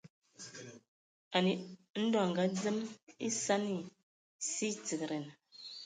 Ndɔ a ngadzem esani, sie tigedan.